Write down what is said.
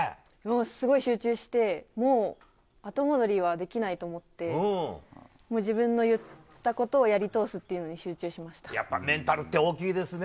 すごい集中してもう後戻りはできないと思って自分の言ったことをやり通すというのにメンタルって大きいですね